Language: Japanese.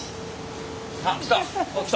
あっ来た。